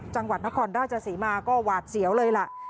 จังหวัดมะคอนด้าจาศีมาก็หวาดเสียวเลยล่ะ